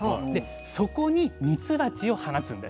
そこにミツバチを放つんです。